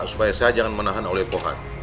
supaya saya jangan menahan oleh pohat